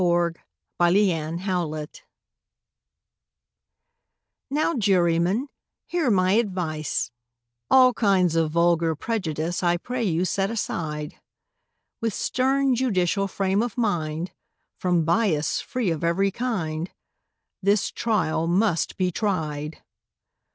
THE USHER'S CHARGE NOW, Jurymen, hear my advice— All kinds of vulgar prejudice I pray you set aside: With stern judicial frame of mind— From bias free of every kind, This trial must be tried!